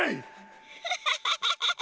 ハハハハハハ！